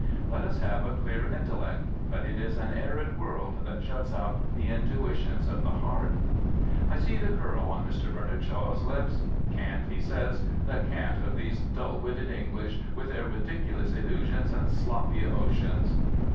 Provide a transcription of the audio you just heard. Let us have a clear intellect; but it is an arid*world that shuts out the intuitions of the heart. I see the cml on Mr. Bernard Shaw's lips. " Cant," he says. " The cant of these dull witted English, with their ridiculous illusions and sloppy emotions."